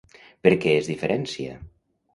Per què es diferencia?